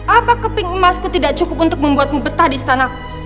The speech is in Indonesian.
apakah pink emasku tidak cukup untuk membuatmu bertah di istanaku